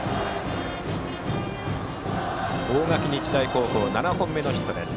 大垣日大高校７本目のヒットです。